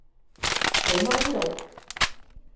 離開呢度